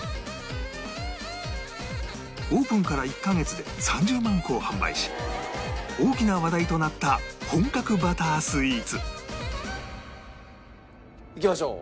オープンから１カ月で３０万個を販売し大きな話題となった本格バタースイーツいきましょう。